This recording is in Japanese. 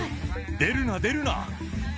出るな、出るな。